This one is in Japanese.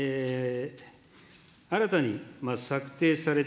新たに策定された